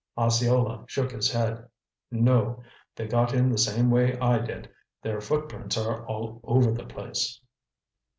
Osceola shook his head. "No. They got in the same way I did. Their footprints are all over the place."